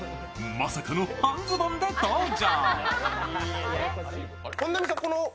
まさかの半ズボンで登場！